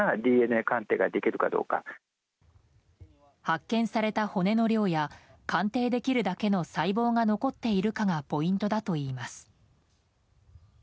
発見された骨の量や鑑定できるだけの細胞が残っているかがポイントだといいます。